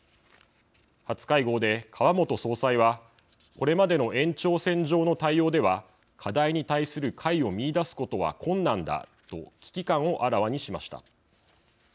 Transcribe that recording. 初会合で川本総裁は「これまでの延長線上の対応では課題に対する解を見いだすことは困難だ」と危機感をあらわにしました。